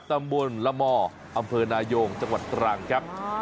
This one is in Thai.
ตำบลละม่ออำเภอนายงจังหวัดตรังครับ